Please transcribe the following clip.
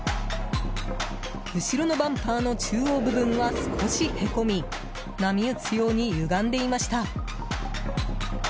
後ろのバンパーの中央部分は少しへこみ波打つようにゆがんでいました。